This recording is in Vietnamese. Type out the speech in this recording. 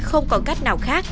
không còn cách nào khác